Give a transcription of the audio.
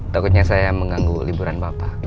takutnya saya mengganggu liburan bapak